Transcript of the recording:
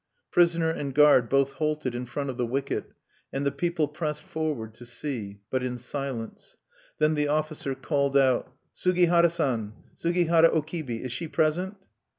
Prisoner and guard both halted in front of the wicket; and the people pressed forward to see but in silence. Then the officer called out, "Sugihara San! Sugihara O Kibi! is she present?"